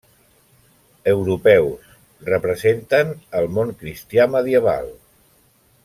Europeus: representen el món cristià medieval.